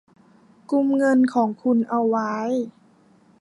กุมเงินของคุณเอาไว้